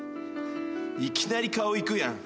いきなり顔いくやん。